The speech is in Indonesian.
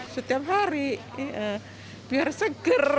setiap hari biar seger